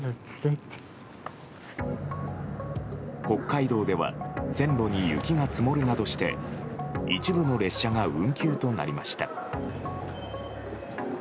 北海道では線路に雪が積もるなどして一部の列車が運休となりました。